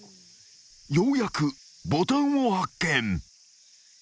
［ようやくボタンを発見］